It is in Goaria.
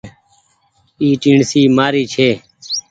اي ٽيڻسي مآري ڇي۔